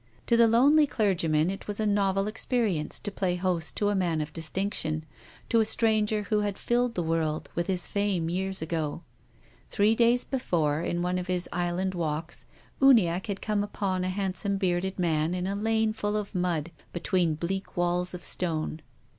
To the lonely clergyman it was a novel experience to play host to a man of distinction, to a stranger who THE RAINBOW. 9 had filled the world with his fame years ago. Three days before, in one of his island walks, Uniacke had come upon a handsome bearded man in a lane full of mud, between bleak walls of stone.